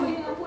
kamu ya ampun